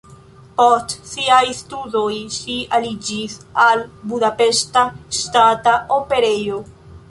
Post siaj studoj ŝi aliĝis al Budapeŝta Ŝtata Operejo.